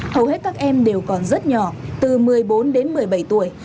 hầu hết các em đều còn rất nhỏ từ một mươi bốn đến một mươi bảy tuổi